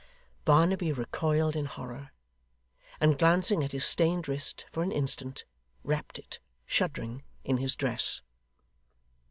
Barnaby recoiled in horror, and glancing at his stained wrist for an instant, wrapped it, shuddering, in his dress.